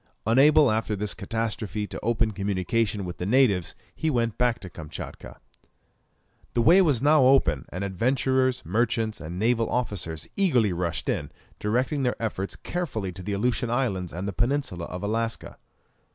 Unable after this catastrophe to open communication with the natives, he went back to Kamtchatka. The way was now open, and adventurers, merchants, and naval officers eagerly rushed in, directing their efforts carefully to the Aleutian Islands and the peninsula of Alaska.